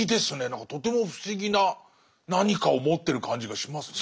何かとても不思議な何かを持ってる感じがしますね。